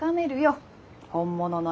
本物の縁。